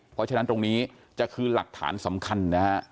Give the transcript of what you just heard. เพราะฉะนั้นตรงนี้จะคือหลักฐานสำคัญนะฮะ